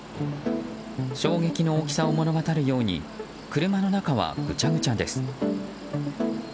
衝撃の大きさを物語るように車の中はぐちゃぐちゃです。